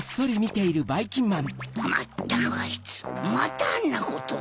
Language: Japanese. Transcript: まったくあいつまたあんなことを。